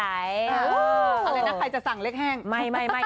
อะไรนะใครจะสั่งเลขแห้ง